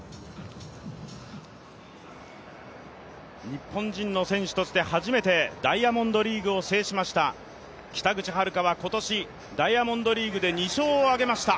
日本人の選手として初めてダイヤモンドリーグを制しました北口榛花は今年、ダイヤモンドリーグで２勝を挙げました。